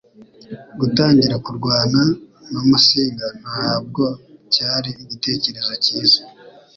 Gutangira kurwana na Musinga ntabwo cyari igitekerezo cyiza